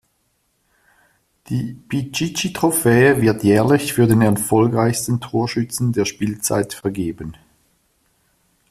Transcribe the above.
Die Pichichi-Trophäe wird jährlich für den erfolgreichsten Torschützen der Spielzeit vergeben.